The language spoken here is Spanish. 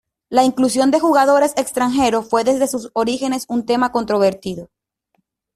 La inclusión de jugadores extranjeros fue desde sus orígenes un tema controvertido.